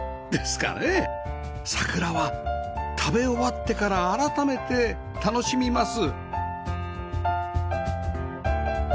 桜は食べ終わってから改めて楽しみます